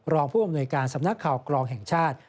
รองผู้อำนวยการสำนักข่าวกรองแห่งชาติ